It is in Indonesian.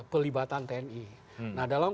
pelibatan tni nah dalam